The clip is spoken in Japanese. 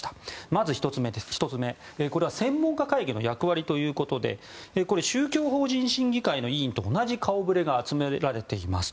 まず１つ目は専門家会議の役割ということでこれは、宗教法人審議会の委員と同じ顔ぶれが集められています。